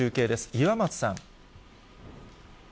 岩松さん。